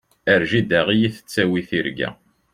Ar jida i yi-tettawi tirga.